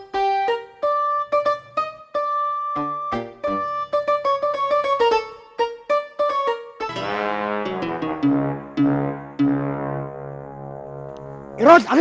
kamu baru tahu